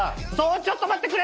ちょっと待ってくれ！